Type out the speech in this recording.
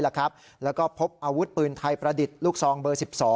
แล้วก็พบอาวุธปืนไทยประดิษฐ์ลูกซองเบอร์๑๒